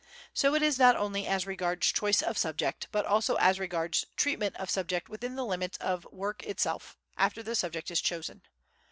So it is not only as regards choice of subject but also as regards treatment of subject within the limits of the work itself, after the subject is chosen.